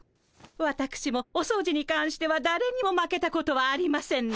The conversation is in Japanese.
わたくしもお掃除にかんしてはだれにも負けたことはありませんの。